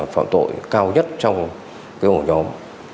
phạm tội cao nhất trong ổ nhóm